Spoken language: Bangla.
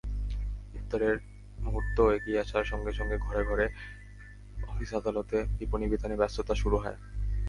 ইফতারের মুহূর্ত এগিয়ে আসার সঙ্গে সঙ্গে ঘরে ঘরে, অফিস-আদালতে, বিপণিবিতানে ব্যস্ততা শুরু হয়।